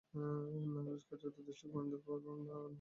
নাফিস কার্যত দেশটির গোয়েন্দাদের একটি ফাঁদে পড়েছিলেন।